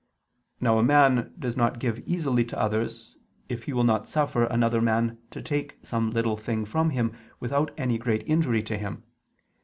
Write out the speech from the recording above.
Now a man does not give easily to others if he will not suffer another man to take some little thing from him without any great injury to him.